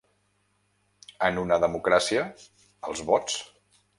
En una democràcia, els vots.